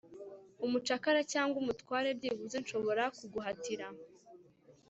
Umucakara cyangwa umutware byibuze nshobora kuguhatira